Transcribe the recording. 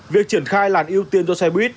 việc triển khai làn ưu tiên cho xe buýt